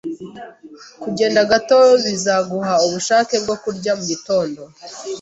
Kugenda gato bizaguha ubushake bwo kurya mugitondo.